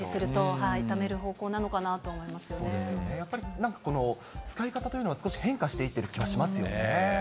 やっぱり使い方というのは少し変化していってる気はしますよね。